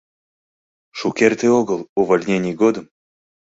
Шукерте огыл, увольнений годым